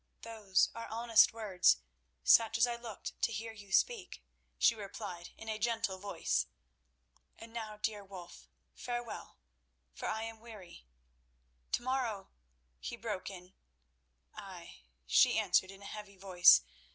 "Those are honest words, such as I looked to hear you speak," she replied in a gentle voice. "And now, dear Wulf, farewell, for I am weary—" "To morrow—" he broke in. "Ay," she answered in a heavy voice.